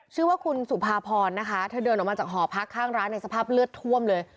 ชื่อว่าคุณสุภาพรนะคะเธอเดินออกมาจากหอพักข้างร้านในสภาพเลือดท่วมเลย